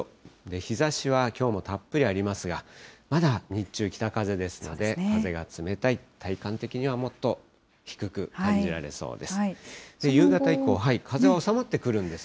日ざしはきょうもたっぷりありますが、まだ日中、北風ですので、風が冷たい、体感的にはもっと低く感じられそうです。